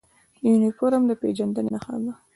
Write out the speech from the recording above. یونفورم د پیژندنې نښه ده